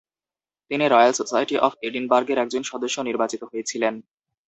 তিনি Royal Society of এডিনবার্গের একজন সদস্য নির্বাচিত হয়েছিলেন।